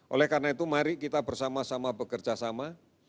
oleh karena itu mari kita bersama sama bekerja sama